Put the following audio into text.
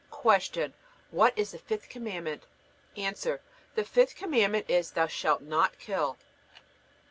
Q. What is the fifth Commandment? A. The fifth Commandment is: Thou shalt not kill.